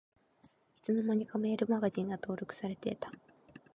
いつの間にかメールマガジンが登録されてた